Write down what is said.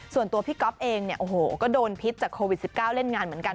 ส่วนตัวพี่ก๊อฟเองก็โดนพิษจากโควิด๑๙เร่งงานเหมือนกัน